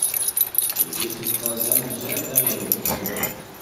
La piste est le composant majeur d'un aérodrome.